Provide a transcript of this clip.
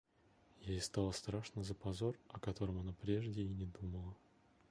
Ей стало страшно за позор, о котором она прежде и не думала.